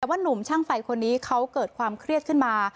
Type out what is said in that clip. แต่ว่าหนุ่มช่างไฟคนนี้เขาเกิดความเครียดขึ้นมา